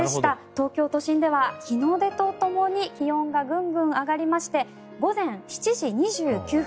東京都心では日の出とともに気温がぐんぐん上がりまして午前７時２９分